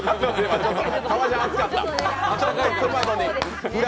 革ジャン暑かった？